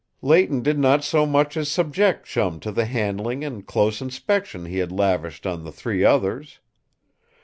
Leighton did not so much as subject Chum to the handling and close inspection he had lavished on the three others.